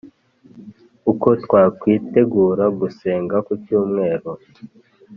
Uko twakwitegura gusenga kucyumweru